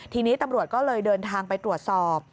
ทีนี้ตำรวจก็เลยเดินทางไปตรวจสอบ